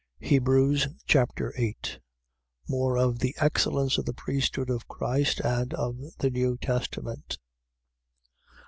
Hebrews Chapter 8 More of the excellence of the priesthood of Christ and of the New Testament.